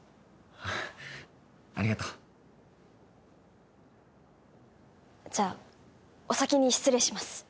あっありがとうじゃお先に失礼します